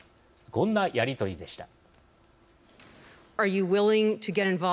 こんなやり取りでした。